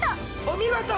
お見事！